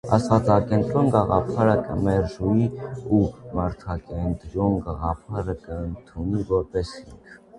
Աստուածակեդրոն գաղափարը կը մերժուի ու մարդակեդրոն գաղափարը կ՛ընդունուի որպէս հիմք։